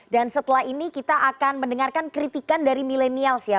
dan setelah ini kita akan mendengarkan kritikan dari millenials ya